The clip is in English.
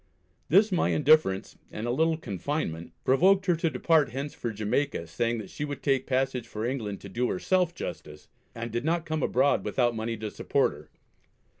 This my indifference, and a little confinement, provoked her to depart hence for Jamaica, saying that she would take passage for England to do herself justice, and did not come abroad without money to support her.